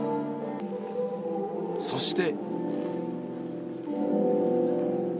そして。